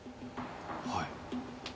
はい。